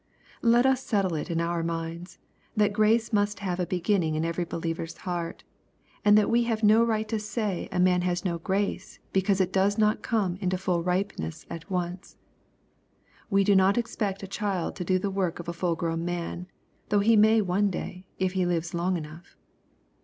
Let us settle it in our minds, that grace must have a oeginning in every believer's heart, and that we have no right to say a man has no grace, because it does not come to full ripeness at once. We do not expect a child to do the work of a full grown man, though he may one day, if he lives long enough.